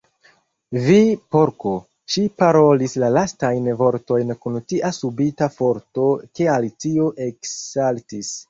"Vi Porko!" Ŝi parolis la lastajn vortojn kun tia subita forto ke Alicio eksaltis.